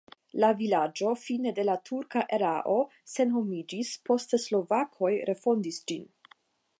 La vilaĝo fine de la turka erao senhomiĝis, poste slovakoj refondis ĝin.